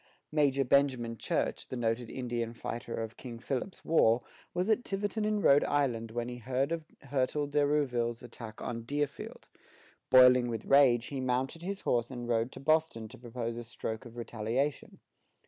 Major Benjamin Church, the noted Indian fighter of King Philip's War, was at Tiverton in Rhode Island when he heard of Hertel de Rouville's attack on Deerfield. Boiling with rage, he mounted his horse and rode to Boston to propose a stroke of retaliation.